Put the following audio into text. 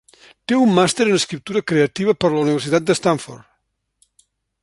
Té un màster en Escriptura Creativa per la Universitat de Stanford.